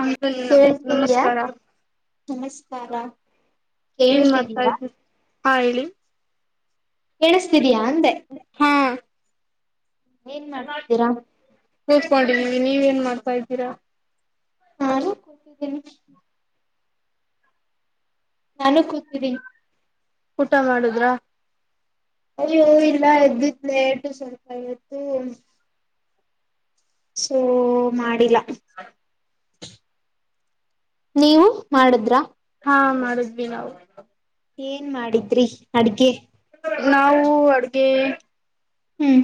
ಅ ಕೇಳಿಸ್ತಿದಯಾ ನಮಸ್ಕಾರ ನಮಸ್ಕಾರ ಇನ್ ಮಾತ ಕೇಳಿಸ್ತಿದೀಯಾ ಇದು ಹಾ ಹೇಳಿ ಕೇಳುತ್ತಿದ್ದೀಯಾ ಅಂದೆ ಹಾ ಏನ್ ಮಾಡ್ತಿದ್ದೀರಾ ಕೂತ್ಕೊಂಡಿದೀವಿ ನೀವ ಏನ್ ಮಾಡ್ತಾ ಇದ್ದೀರಾ ನಾನು ಕೊತಿದ್ದೇನೆ ನಾನು ಕೂತಿನಿ ಊಟ ಮಾಡುದ್ರ ಅಯ್ಯೋ ಇಲ್ಲ ಎದ್ದಿದ್ಲಟು ಸ್ವಲ್ಪ ಇವತ್ತು ಸೋ ಮಾಡಿಲ್ಲ ಹ ನೀವು ಮಾಡುದ್ರ ಹಾ ಮಾಡದ್ವಿ ನಾ ಏನ್ ಮಾಡಿದ್ರಿ ಅಡ್ಗೆ ನಾವು ಅಡ್ಗೆ ಹ್ಮ್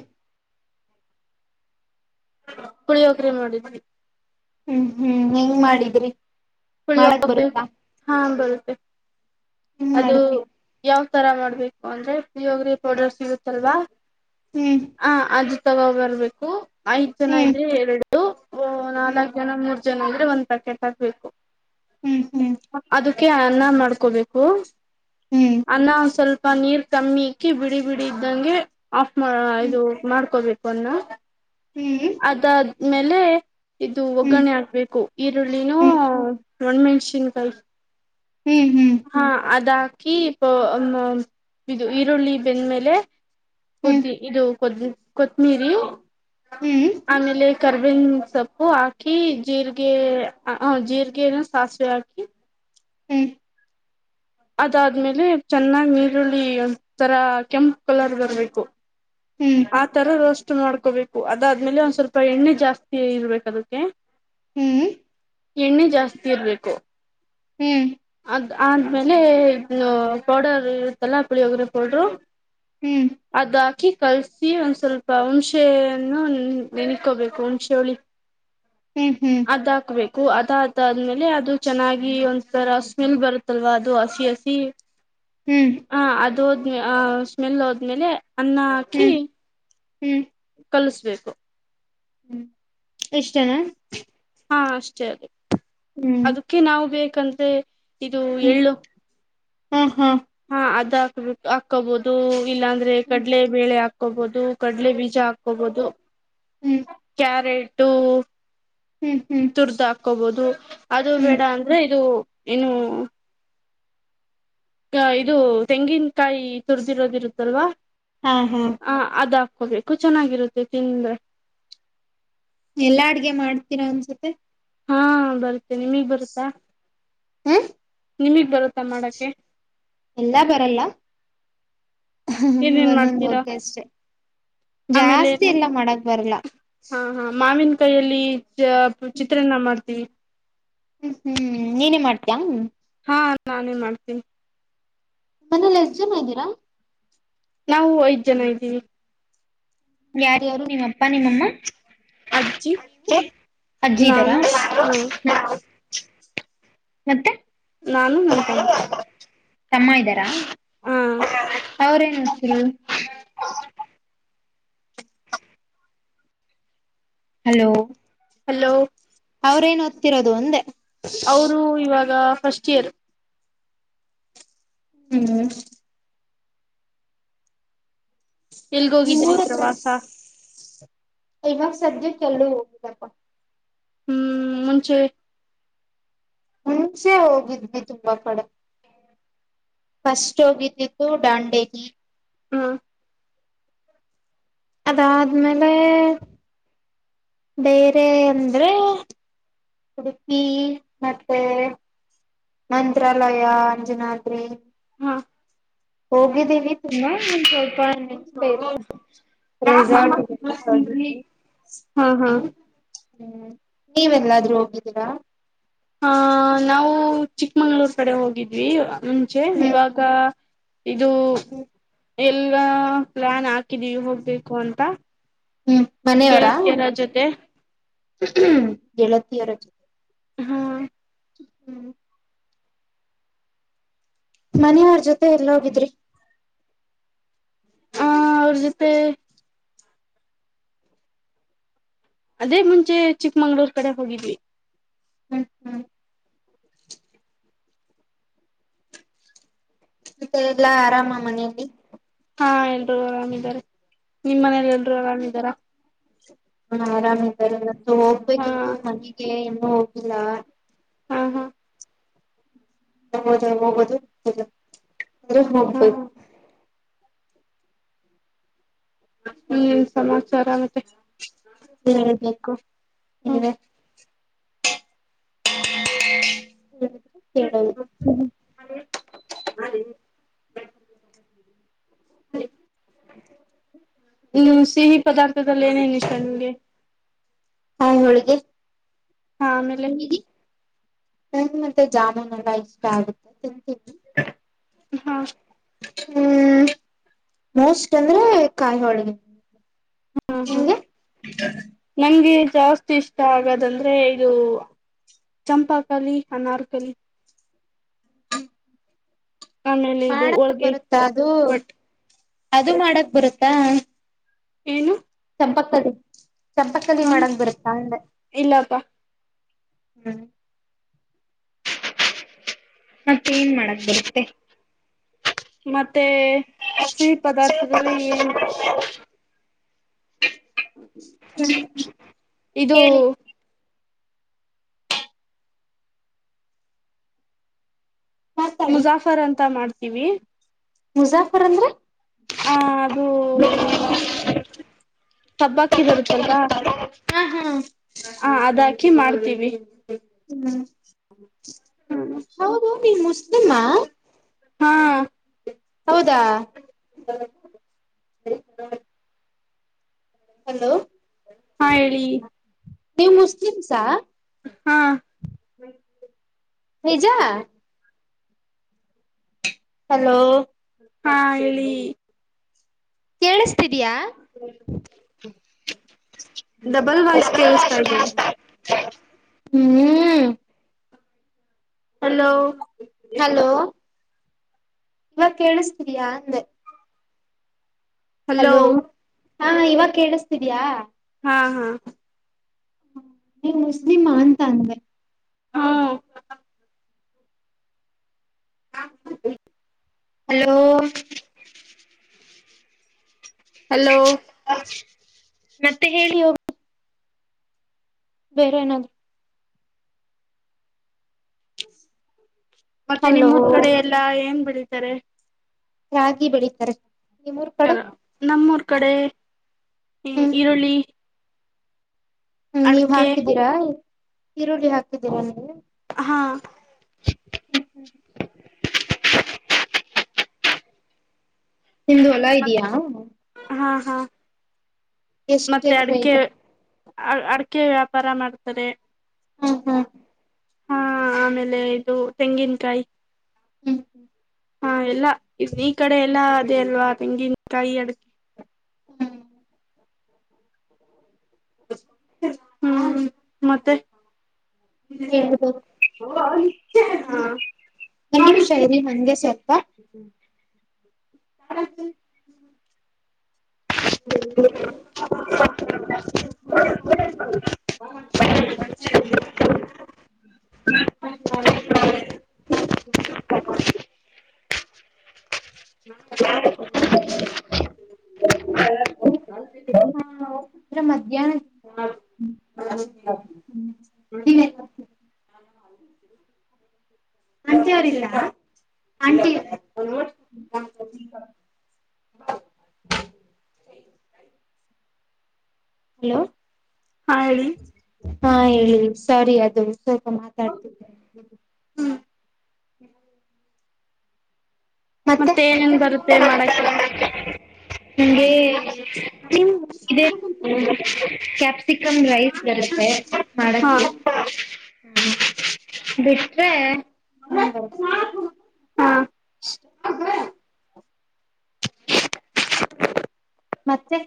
ಕುಳಿಯೋಕ್ರ ಮಾಡಿದ್ವಿ ಹ್ಮ್ ಹ್ಮ್ ಹೆಂಗ್ ಮಾಡಿದ್ರಿ ಳಿಯ ಮಾಡಕ್ ಬರುತ್ತಾ ಹಾ ಬರುತ್ತೆ ಹೆಂಗ್ ಅದು ಮಾಡಿದ್ರಿ ಯಾವ ತರ ಮಾಡ್ಬೇಕು ಅಂದ್ರೆ ಪಿಯೋಗರಿ ಪೌಡರ್ ಸಿಗುತ್ತಲ್ವಾ ಹ್ಮ್ ಆ ಅ ತಗೋ ಬರ್ಬೇಕು ಐದ ಜನ ಹ್ಮ್ ಇದ್ರೆ ಎರಡು ಹ್ಮ್ ನಾಲ್ಕ್ ಜನ ಮೂರ್ ಜನ ಅಂದ್ರೆ ಒಂದ್ ಪ್ಯಾಕೆಟ್ ಹಾಕ್ಬೇಕು ಹ್ಮ್ ಹ್ಮ್ ಅದಕ್ಕೆ ಅನ್ನ ಮಾಡ್ಕೋಬೇಕು ಹ್ಮ್ ಅನ್ನ ಒ ಸ್ವಲ್ಪ ನೀರ್ ಕಮ್ಮಿ ಇಕ್ಕಿ ಬಿಡಿ ಬಿಡಿ ಇದ್ದಂಗೆ ಆಫ್ ಮಾಡ ಹ್ಮ್ ಇದು ಮಾಡ್ಕೋಬೇಕು ಅನ್ನ ಹ್ಮ್ ಹ್ಮ್ ಅದಾದ್ಮೇಲೆ ಇದು ಹ್ಮ್ ಹ್ಮ್ ಹ್ಮ್ ಹ್ಮ್ ಒಗ್ಗರಣೆ ಆಕ್ಬೇಕು ಈರುಳ್ಳಿನೂ ಒಣ ಮೆಣಸಿನ್ಕಾಯಿ ಹ್ಮ್ ಹಾ ಅದ ಹಾಕಿ ಇದು ಈರುಳ್ಳಿ ಬೆಂದ್ಮೇಲೆ ುದ್ದಿ ಇದು ಕೊತ್ತಮಿರಿ ಹ್ಮ್ ಆಮೇಲೆ ಕರ್ಬಿನ ಸೊಪ್ಪು ಹಾಕಿ ಜೀರಿಗೆ ಜೀರಿಗೆನ ಸಾಸಿವೆ ಹಾಕಿ ಹ್ಮ ಅದಾದ್ಮೇಲೆ ಚೆನ್ನಾಗಿಈರುಳ್ಳಿ ಒ ತರ ಕೆಂಪು ಕಲರ್ ಬರ್ಬೇಕು ಹ್ಮ್ ಆ ತರ ರ ಎ ಮಾಡ್ಕೋಬೇಕು ಅದಾದ್ಮೇಲೆ ಒಂದ್ ಸ್ವಲ್ಪ ಎಣ್ಣೆ ಜಾಸ್ತಿ ಇರ್ಬೇಕು ಅದಕ್ಕೆ ಹ್ಮ್ ಎಣ್ಣೆ ಜಾಸ್ತಿ ಇರ್ಬೇಕು ಹ್ಮ್ ಅ ಆದ್ಮೇಲೆ ಪೌಡರ್ ಇರುತ್ತಲ್ಲ ಪುಳಿಯೋಗ್ರೆ ಪೌಡರು ಹ್ಮ್ ಅಕಿ ಕಲ್ಸಿ ಒಂದ್ ಸ್ವಲ್ಪ ಹುಣಸೆನ್ನು ನೆನೆಕೋಬೇಕು ಹುಣಶೆ ಹುಳಿ [inaudible] ಹ್ಮ್ ಅದ್ ಹಾಕ್ಬೇಕು ಅದದಾದ್ಮೇಲೆ ಅದು ಚೆನ್ನಾಗಿ ಒ ರಸ್್ಮೆಲ್ ಬರುತ್ತಲ್ವಾ ಅದು ಹಸಿ ಹಸಿ ಹ್ಮ್ ಹ ಅದು ಹೋದ್ಮೇ ಆ ಸ್ಮೆಲ್ ಹೋದ್ಮೇಲೆ ಅನ್ನ ಹಾಕಿ ಹ್ಮ್ ಹ್ಮ್ ಕಲಿಸ್ಬೇಕು ಎಷ್ಟ ಜನಾ ಹಾ ಅಷ್ಟೇ ಅದ ಅದಕ್ಕೆ ನಾವು ಬೇಕಂದ್ರೆ ಇದು ಎಳ್ಳು ಹ್ಮ್ ಹ್ಮ್ ಅದ ಹಾಕ್ಬೇಕ ಹಾಕೋಬಹುದು ಇಲ್ಲಾಂದ್ರೆ ಕಡಲೆ ಬೇಳೆ ಹಾಕೋಬಹುದು ಕಡಲೆ ಬೀಜ ಹಾಕೋಬಹುದು ಅದು ಹ್ಮ್ ಯರೆಟು ಹ್ಮ್ ಹ್ಮ್ ಹಕೋಬಹುದು ಅದು ಹ್ಮ್ ಬೇಡ ಅಂದ್ರೆ ಇದು ಏನು ಅ ಇದು ತೆಂಗಿನಕಾಯಿ ತುಡಿದಿರೋದಿರುತ್ತಲ್ವಾ ಹಾ ಹಾ ಹ ಅದಾ ಹೋಗ್ಬೇಕು ಚೆನ್ನಾಗಿರುತ್ತೆ ತಿಂದ ಎಲ್ಲಾ ಅಡ್ಗೆ ಮಾಡ್ತೀರಾ ಒನ್ಸತ್ತ ಹಾ ಬರ್ತ್ತೇ ನಿಮಗ್ ಬರುತ್ತಾ ಹ್ಮ್ ನಿಮಗ್ ಬರುತ್ತಾ ಮಾಡಕೆ ಎಲ್ಲಾ ಬರಲ್ಲ ಏನೇನ್ ಮಾಡ್ತೀರಾ ಹ್ಮೋಕೆ ಅಷ್ಟೇ ಆಮೇಲೆ ಜಾಸ್ತಿ ಎಲ್ಲ ಮಾಡಕ್ ಬರ್ಲ್ಲ ಕೈಯಲ್ಲಿ ಚಿತ್ರನ್ನ ಮಾಡ್ತೀವಿ ಹ್ಮ್ ಹ್ಮ್ ನೀನೇ ಮಾಡ್ತಿಯ ಹಾ ನಾನೇ ಮಾಡ್ತೇನೆ ಮನೇಲಿ ಎಷ್ಟ್ ಜನ ಇದ್ದೀರಾ ನಾವು ಐದ್ ಜನ ಇದ್ದೀವಿ ಯಾರ್ಯಾರು ನಿಮ್ಮಪ್ಪ ನಿಮ್ಮಮ್ಮ ಅಜ್ಜಿ ಅಜ್ಜಿ ಇದ್ದಾರಾ ನಾನು ಹ ಮತ್ತೆ ನಾನು ನನ್ ತಮ್ಮ ಇದ್ದಾರಾ ಹ್ಮ ಅವ್ರ ಏನ್ ಮಾಡ್ತೀ [unintelligible] [inaudible] ಹಲೋ, ಹಲೋ, ಅವರೇನ್ ಓದತ್ತಿರೋದು ಅಂದೇ. ಅವರು ಇವಾಗ ಫಸ್ಟ್ ಇಯರ್. ಹ್ಮ್. ಎಲ್ಗೋಗಿದ್ರಿ ನಿಮ್ಮೂರ್ ಹತ್ರ ಪ್ರವಾಸ. ಇವಾಗ ಸದ್ಯಕೆ ಎಲ್ಲೂ ಹೋಗಿಲ್ಲ್ಪ. ಹ್ಮ್ ಮುಂಚೆ, ಮುಂಚೆ ಹೋಗಿದ್ವಿ ತುಂಬಾ ಕಡೆ. ಫಸ್ಟ್ ಹೋಗಿದ್ದಿದ್ದು ದಾಂಡೇಲಿಗೆ. ಹ್ಮ. ಅದಾದ್ಮೇಲೆ ಬೇರೆ ಅಂದ್ರೆ, ಉಡುಪಿ ಮತ್ತೆ, ಮಂತ್ರಾಲಯ, ಅಂಜನಾದ್ರಿ, ಹಾ, ಹೋಗಿದ್ದೀವಿ ತುಂಬಾ ಒಂದ ಸ್ವಲ್ಪ ನೆನ್ಪ್ ಇಲ್ಲ. ರೆಸಾರ್ಟ್ಗೆಲ್ಲ, [unintelligible] ಹಾ, ಹಾ ಹ್ಮ್ ನೀವೆಲ್ಲಾದ್ರೂ ಹೋಗಿದ್ದೀರಾ, ಹ ನಾವು ಚಿಕ್ಕಮಂಗ್ಳೂರ್ ಕಡೆ ಹೋಗಿದ್ವಿ. ಮುಂಚೆ ಹ್ಮ್ ಇವಾಗ, ಇದು ಎಲ್ಲ ಪ್ಲಾನ್ ಹಾಕಿದೀವಿ ಹೋಗ್ಬೇಕು ಅಂತ. ಹ್ಮ್ ಮನೆ ಅವ್ರ, ಗೆಳತಿಯರ ಜೊತೆ ಗೆಳತಿಯರ ಜೊತೆ, ಹ್ಮ್. ಹ್ಮ್. ಮನೆಯವ್ರ ಜೊತೆ ಎಲ್ಲ ಹೋಗಿದ್ರಿ. ಹಾ ಅವ್ರ ಜೊತೆ, ಅದೇ ಮುಂಚೆ ಚಿಕ್ಕಮಂಗ್ಳೂರ್ ಕಡೆ ಹೋಗಿದ್ವಿ. ಹ್ಮ್ ಹ್ಮ್. ಮತ್ತೆ ಎಲ್ಲಾ ಆರಾಮ ಮನೆಲಿ. ಹಾ ಎಲ್ರು ಆರಾಮ್ ಇದ್ದಾರೆ ನಿಮ್ಮ್ ಮನೇಲಿ ಎಲ್ರು ಆರಾಮಿದಾರ. ಹ ಆರಾಮ್ ಇದ್ದಾರೆ ಮತ್ತ ಹಾ ಹೋಗ್ಬೇಕಿತ್ತು ಮನೆಗೆ ಇನ್ನೂ ಹೋಗಿಲ್ಲ. ಹ್ಮ್ ಹ್ಮ್. ಹಾ [unintelligible] ಏನ್ ಸಮಾಚಾರ ಮತ್ತೆ, ಹೇಳ್ಬೇಕು ಹ್ಮ್ ನೀವೇ. [inaudible] [unintelligible] [inaudible] [inaudible] ಹ್ಮ ಸಿಹಿ ಪದಾರ್ಥದಲ್ಲಿ ಏನೇನು ಇಷ್ಟ ನಿಂಗೆ. ಕಾಯಿ ಹೋಳಿಗೆ. ಹಾ ಆಮೇಲೆ, ನನ್ ಮತ್ತೆ ಜಾಮೂನ್ ಎಲ್ಲ ಇಷ್ಟ ಆಗುತ್ತೆ ತಿಂತೀನಿ. ಹಾ, ಹ್ಮ್ ಮೋಸ್ಟ್ ಅಂದ್ರೆ ಕಾಯಿ ಹೋಳಿಗೆ. ಹ್ಮ, ಹ್ಮ್ ನಿಂಗೆ ನಂಗೆ, ಜಾಸ್ತಿ ಇಷ್ಟ ಆಗೋದಂದ್ರೆ ಇದು. ಚಂಪಾಕಲಿ, ಅನಾರ್ಕಲಿ, ಆಮೇಲೆ ಇದು ಮಾಡಕ್ ಹೋಳ್ಗೆ ಬರುತ್ತಾ ಅದು, ಬಟ್ ಅದು ಮಾಡಕ್ ಬರುತ್ತಾ, ಏನು ಚಂಪಕ್ಕಲಿ ಚಂಪಕ್ಕಲಿ ಮಾಡಕ್ ಬರುತ್ತಾ ಅಂದೇ ಇಲ್ಲಪ್ಪಾ ಹ್ಮ್ ಮತ್ತೆ ಏನ್ ಮಾಡಕ್ ಬರುತ್ತೆ ಮತ್ತೆ ಸಿಹಿ ಪದಾರ್ಥದಲ್ಲಿ ಏನ್ [unintelligible] ಹ್ಮ್ ಇದು ಹೇಳಿ ಮಾತಾಡಿ ಮುಜಾಫರ್ ಅಂತ ಮಾಡ್ತೀವಿ ಮುಜಾಫರ್ ಅಂದ್ರೆ ಹ ಅದು ಈ ಸಬ್ಬಕ್ಕಿ ಬರುತ್ತಲ್ವಾ ಹಾ ಹಾ ಹಾ ಅದಾಕಿ ಮಾಡ್ತೀವಿ ಹ್ಮ್ ಹೌ ಹೌ ನೀ [unintelligible] [unintelligible] ಹೌದಾ [unintelligible] ಹಲೋ ಹಾ ಹೇಳಿ ನೀವು ಮುಸ್ಲಿಮ್ಸಾ ಹಾ ನಿಜಾ ಹಲೋ ಹಾ ಹೇಳಿ ಕೇಳುಸ್ತಿದ್ದೀಯಾ ಡಬಲ್ ವಾಯ್ಸ್ ಕೇಳಿಸತಾ ಇದೆ ಹ್ಮ್ ಹಲೋ ಹಲೋ ಇವಾಗ ಕೇಳುತ್ತಿದ್ದೀಯಾ ಅಂದೆ ಹಲೋ ಹಾ ಇವಾಗ ಕೇಳುಸ್ತಿದ್ಯಾ ಹಾ ಹಾ ನೀವು ಮುಸ್ಲಿಮ ಅಂತ ಅಂದೇ ಹ್ಮ ಹಲೋ ಹಲೋ [unintelligible] ಮತ್ತೆ ಹೇಳಿ ಹೋಗ ಬೇರೆ ಏನಾದ್ರೂ ಮತ್ತೆ ಹಲೋ ನಿಮೂರ್ ಕಡೆ ಎಲ್ಲಾ ಏನ್ ಬೆಳಿತಾರೆ ರಾಗಿ ಬೆಳಿತಾರೆ ನಿಮ್ಮೂರ್ ಹ ಕಡೆ ನಮ್ಮೂರ್ ಕಡೆ ಈರುಳ್ಳಿ ಹ್ಮ ನೀವ್ ಅಡಕೆ ಹಾಕಿದ್ದೀರಾ ಈರುಳ್ಳಿ ಹಾಕಿದ್ದೀರಾ ನೀವು ಹಾ [unintelligible] ನಿಮ್ದು ಹೊಲ ಇದಿಯಾ ಹಾ ಹಾ ಎಷ್ಟು ಎಕರೆ ಇದೆ ಅ ಅಡಕೆ ವ್ಯಾಪಾರ ಮಾಡ್ತಾರೆ ಹ್ಮ ಹಾ ಹಾ ಆಮೇಲೆ ಇದು ತೆಂಗಿನಕಾಯಿ ಹ್ಮ್ ಹ್ಮ್ ಹಾ ಎಲ್ಲಾ ಇ ಈ ಕಡೆ ಎಲ್ಲಾ ಅದೇ ಅಲ್ವಾ ತೆಂಗಿನಕಾಯಿ ಅಡಿಕೆ ಹ್ಮ್ ಹ್ಮ ಮತ್ತೆ ಹೇಳ್ಬೋದು [unintelligible] ಹಾ ಒಂದು ನಿಮಿಷ ಹಂಗೆ ಸ್ವಲ್ಪ ಹ ಹ ಹ ಹ ನಾ ನು ಮಧ್ಯಾಹ್ನದಿಂದ ಆಂಟಿ ಅವರಿಲ್ಲ ಆಂಟಿ ಒಂದು ಹಲೋ ಹಾ ಹೇಳಿ ಹಾ ಹೇಳಿ ಸರಿ ಅದು ಸ್ವಲ್ಪ ಮಾತಾಡ್ತಿದ್ದೇ ಹ್ಮ ಮತ್ತೆ ಏನೇನ್ ಬರುತ್ತೆ ಮಾಡಕ್ಕೆ ನಿಂಗೆ ನಿ ಕ್ಯಾಪ್ಸಿಕಮ್ ರೈಸ್ ಬರುತ್ತೆ ಹಾ ಮಾಡಕ್ಕೆ ಬಿಟ್ರೆ ಹ ಹಾ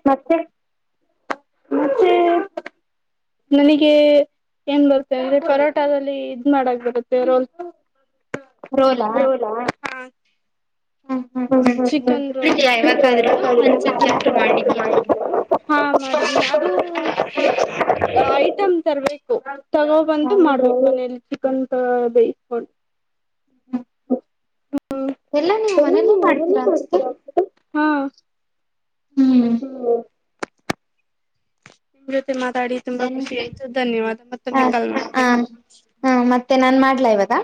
ಮತ್ತೆ ಮತ್ತೆ ನನಗೆ ಏನ್ ಬರುತ್ತೆ ಅಂದ್ರೆ ಪರೋಟಾದಲ್ಲಿ ಇದ್ ಮಾಡಕ್ ಬಿಡತ್ತೆ ರೋಲ್ ರೋಲ್ಲ ಹಾ ಹಾ ಚಿಕನ್ ರೋಲ್ ಯಾವ್ತಾ ಒಂದ್ ಅದ್ರು ಸಬ್ಜೆಕ್ಟ್ ಮಾಡಿದ್ಯಾ ಮಾಡಿದೆಯಾ ಹಾಂ ಮಾಡಿದಿನಿ ಅದು ಐಟಮ್ ತರ್ಬೇಕು ತಗೋ ಬಂತು ಹೌದು ಮಾಡನ ಚಿಕನ್ ಬೇಯಿಸಕೊಂಡು ಎಲ್ಲಾ ನೀವು ಮನೇಲ್ಲೇ ಹ್ಮ್ ಎಲ್ಲ ಮಾಡ್ತೀರಾ ಮಾಡ್ತೀ ಅನ್ಸುತ್ತೆ ಹಾ ಹ್ಮ್ ನಿಮ್ ಜೊತೆ ಮಾತಾಡಿ ತುಂಬಾ ದೆನ್ ಖುಷಿ ಆಯ್ತು ಧನ್ಯವಾದ ಮತ್ತೊಮ್ಮೆ ಕಲ್ಮಿ ಹಾ ಮತ್ತೆ ನಾನ್ ಮಾಡ್ಲಾ ಇವಾಗ